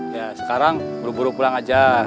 ya sekarang buru buru pulang aja